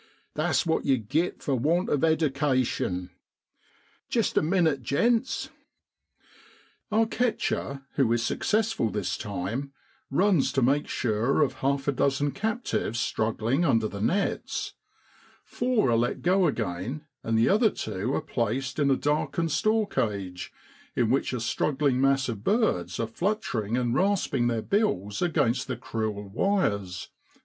That's what ye git for want of eddication * Jest a minnit, gents Our catcher, who is successful this time, runs to make sure of half a dozen captives struggling under the nets. Four are let go again, and the other two are placed in a darkened store cage, in which a struggling mass of birds are fluttering and rasping their bills against the cruel wires.